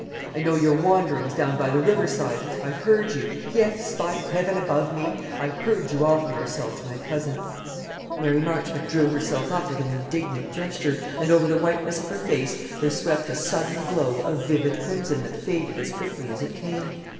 I know your wanderings down by the river side. I heard you yes, by the Heaven above me! I heard you offer yourself to my cousin." Mary drew herself up with an indignant gesture, and over the whiteness of her face there swept a sudden glow of vivid crimson that faded as quickly as it came.